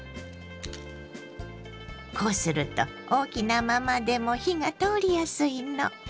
こうすると大きなままでも火が通りやすいの。